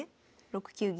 ６九銀で。